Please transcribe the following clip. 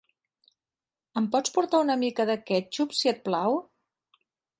Em pots portar una mica de quètxup, "si et plau"?